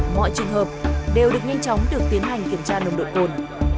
mọi trường hợp đều được nhanh chóng được tiến hành kiểm tra nồng độ cồn